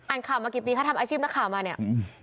ข่าวมากี่ปีคะทำอาชีพนักข่าวมาเนี่ย